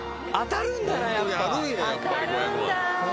当たるんだ。